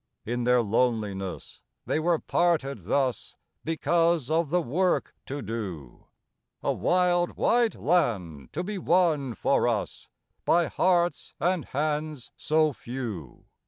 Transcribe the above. In their loneliness they were parted thus Because of the work to do, A wild wide land to be won for us By hearts and hands so few.